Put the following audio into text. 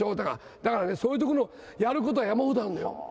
だからね、そういうところのやることは山ほどあるのよ。